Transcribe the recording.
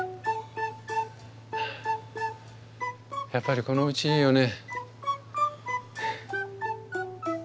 やっぱりこのうちいいよね。